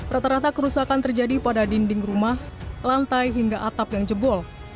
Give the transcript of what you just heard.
rata rata kerusakan terjadi pada dinding rumah lantai hingga atap yang jebol